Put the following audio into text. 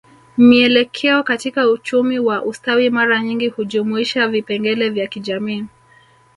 Mielekeo katika uchumi wa ustawi mara nyingi hujumuisha vipengele vya kijamii